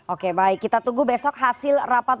oke baik kita tunggu besok hasil rapat